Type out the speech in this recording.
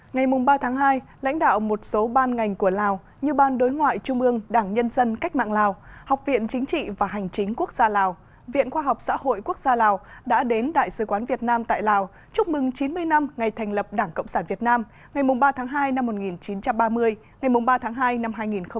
ngày ba tháng hai lãnh đạo một số ban ngành của lào như ban đối ngoại trung ương đảng nhân dân cách mạng lào học viện chính trị và hành chính quốc gia lào viện khoa học xã hội quốc gia lào đã đến đại sứ quán việt nam tại lào chúc mừng chín mươi năm ngày thành lập đảng cộng sản việt nam ngày ba tháng hai năm một nghìn chín trăm ba mươi ngày ba tháng hai năm hai nghìn hai mươi